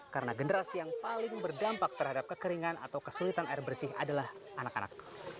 karena generasi yang paling berdampak terhadap kekeringan atau kesulitan air bersih adalah anak anak